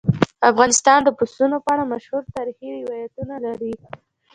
افغانستان د پسونو په اړه مشهور تاریخي روایتونه لري.